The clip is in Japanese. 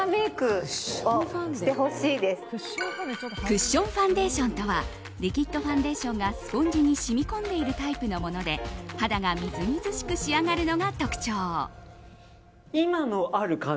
クッションファンデーションとはリキッドファンデーションがスポンジに染み込んでいるタイプのもので肌がみずみずしく仕上がるのが特徴。